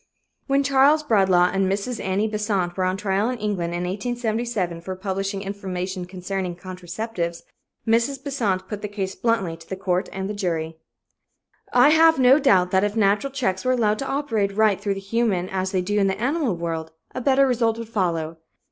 When Charles Bradlaugh and Mrs. Annie Besant were on trial in England in 1877 for publishing information concerning contraceptives, Mrs. Besant put the case bluntly to the court and the jury: "I have no doubt that if natural checks were allowed to operate right through the human as they do in the animal world, a better result would follow.